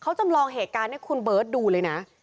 เขาจำลองเหตุการณ์ให้คุณเบิร์ตดูเลยนะ